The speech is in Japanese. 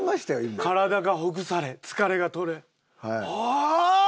体がほぐされ疲れが取れああー！